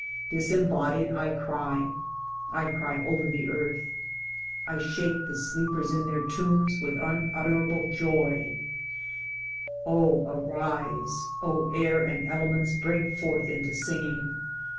Disembodied I cry, I cry, over the earth — I shake the sleepers in their tombs with unutterable joy : 0 arise ! O air and elements break forth into singing